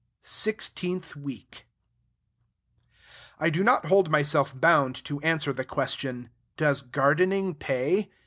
SIXTEENTH WEEK I do not hold myself bound to answer the question, Does gardening pay?